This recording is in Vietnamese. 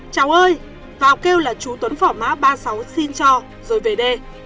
cháu ơi vào kêu là chú tuấn phỏ má ba mươi sáu xin cho rồi về đê